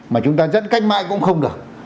mà chúng ta dẫn cách mãi cũng không được